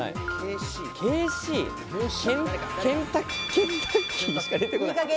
ケンタッキーしかでてこない。